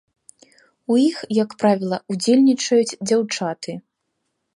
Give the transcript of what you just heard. У іх, як правіла, удзельнічаюць дзяўчаты.